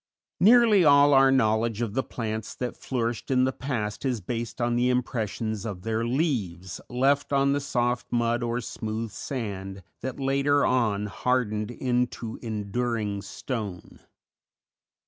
Nearly all our knowledge of the plants that flourished in the past is based on the impressions of their leaves left on the soft mud or smooth sand that later on hardened into enduring stone.